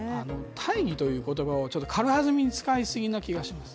大義という言葉を軽はずみに使いすぎな気がします。